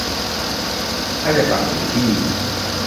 ถ้าจะสั่งซื้อที่